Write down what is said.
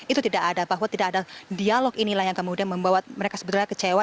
itu tidak ada bahwa tidak ada dialog inilah yang kemudian membawa mereka sebetulnya kecewa